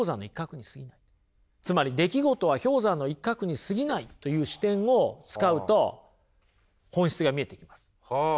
つまり出来事は氷山の一角にすぎないという視点を使うと本質が見えてきます。